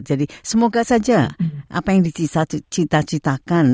jadi semoga saja apa yang dicita citakan